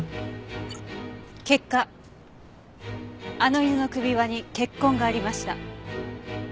結果あの犬の首輪に血痕がありました。